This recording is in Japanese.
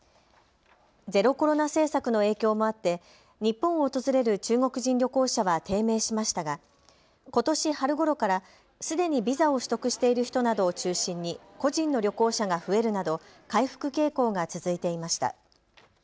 ゼロコロナ政策の影響もあって日本を訪れる中国人旅行者は低迷しましたがことし春ごろからすでにビザを取得している人などを中心に個人の旅行者が増えるなど回復傾向が続いていました。